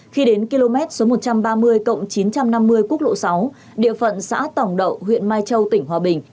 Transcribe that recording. khi đến km số một trăm ba mươi chín trăm năm mươi quốc lộ sáu địa phận xã tổng đậu huyện mai châu tỉnh hòa bình